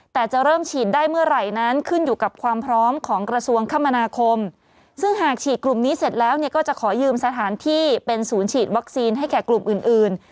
แต่จะเริ่มฉีดได้เมื่อไหร่นั้นขึ้นอยู่กับความพร้อมของกระทรวงคมนาคมซึ่งหากฉีดกลุ่มนี้เสร็จแล้วเนี่ยก็จะขอยืมสถานที่เป็นศูนย์ฉีดวัคซีนให้แก่กลุ่มอื่นอื่น